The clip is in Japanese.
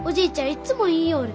いっつも言いようる。